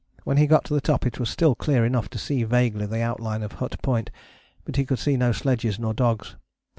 When he got to the top it was still clear enough to see vaguely the outline of Hut Point, but he could see no sledges nor dogs.